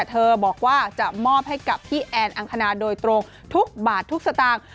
เธอบอกว่าจะมอบให้กับพี่แอนอังคณาโดยตรงทุกบาททุกสตางค์